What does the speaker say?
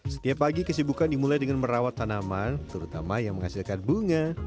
setiap pagi kesibukan dimulai dengan merawat tanaman terutama yang menghasilkan bunga